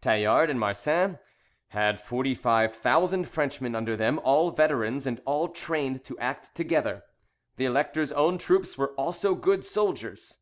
Tallard and Marsin had forty five thousand Frenchmen under them, all veterans, and all trained to act together: the Elector's own troops also were good soldiers.